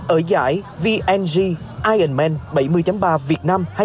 ở giải vng ironman bảy mươi ba việt nam